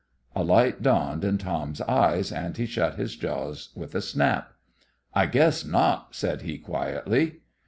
A light dawned in Tom's eyes, and he shut his jaws with a snap. "I guess not!" said he, quietly.